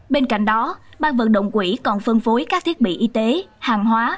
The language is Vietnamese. bên cạnh đó ban vận động quỹ còn phân phối các thiết bị y tế hàng hóa